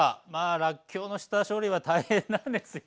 らっきょうの下処理は大変なんですよ。